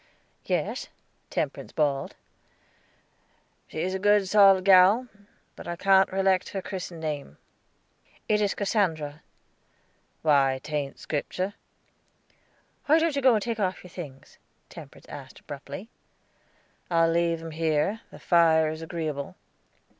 "Yes," Temperance bawled. "She is a good solid gal; but I can't recollect her christened name." "It is Cassandra." "Why, 'taint Scriptur'." "Why don't you go and take off your things?" Temperance asked, abruptly. "I'll leave them here; the fire is agreeable."